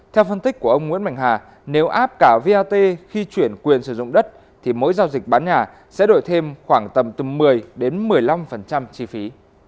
theo phân tích của ông nguyễn mạnh hà nếu áp cả vat khi chuyển quyền sử dụng đất thì mỗi giao dịch bán nhà sẽ đổi thêm khoảng tầm từ một mươi đến một mươi năm chi phí